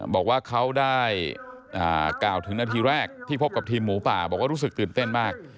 บอกว่าเขาได้กล่าวถึงนาทีแรกที่พบกับทีมหมูป่าบอกว่ารู้สึกตื่นเต้นมาก